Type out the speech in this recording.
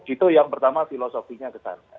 itu yang pertama filosofinya kesana